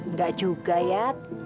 nggak juga yat